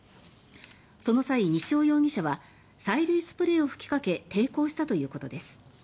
その際、西尾容疑者は催涙スプレーを吹きかけ抵抗したということです。